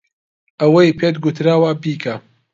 ئەوەی پێت گوتراوە بیکە.